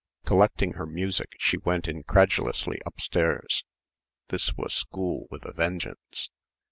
Collecting her music she went incredulously upstairs. This was school with a vengeance.